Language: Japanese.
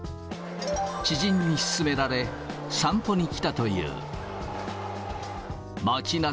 知人に勧められ、散歩に来たという。